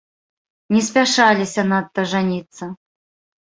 Не спяшаліся надта жаніцца.